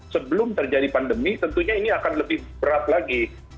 sebelum terjadi pandemi tentunya ini akan lebih berat lagi